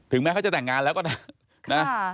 แม้เขาจะแต่งงานแล้วก็ได้นะ